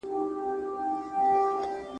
کي به ناڅي ښکلي پېغلي `